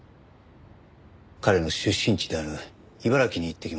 彼の出身地である茨城に行ってきました。